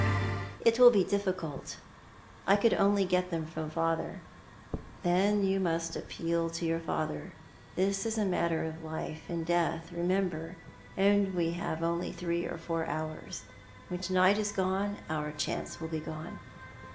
" It will be dithcult. I could only get them from father." "Then you must appeal to your father. This is a matter of life and death, remember, and we have only three or four hours. When to night is gone our chance will be gone."